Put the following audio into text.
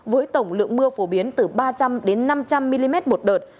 với tổng lượng mưa phổ biến từ ba trăm linh năm trăm linh mm một đợt